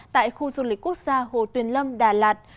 tại khu du lịch quốc gia hồ tuyền lâm đà lạt